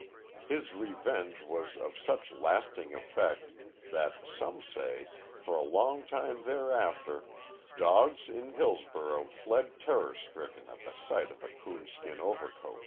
"_ His revenge was of such lasting effect that, some say, for a long time thereafter dogs in Hillsborough fled terror stricken at the sight of a coon skin overcoat.